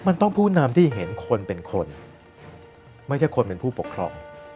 มันต้องผู้นำที่เห็นคนเป็นคนไม่ใช่คนเป็นผู้ปกครอง